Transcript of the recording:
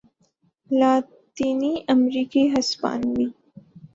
لاطینی امریکی ہسپانوی